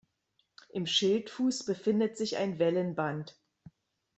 Im Schildfuß befindet sich ein Wellenband.